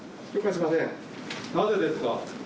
なぜですか？